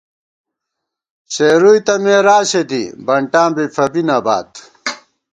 سېرُوئی تہ مېراثے دی ، بنٹاں بی فَبی نہ بات